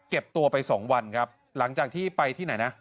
ตัวไปสองวันครับหลังจากที่ไปที่ไหนนะ